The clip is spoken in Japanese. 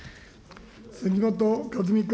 杉本和巳君。